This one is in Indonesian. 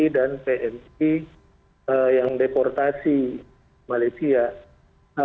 dan pmi yang deportasi malaysia